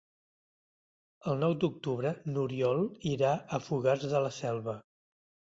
El nou d'octubre n'Oriol irà a Fogars de la Selva.